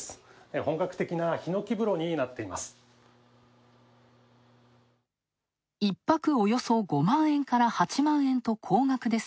本格的なヒノキ風呂になっています。